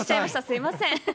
すみません。